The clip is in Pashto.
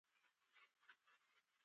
هګۍ د نرۍ هډوکو لپاره ګټوره ده.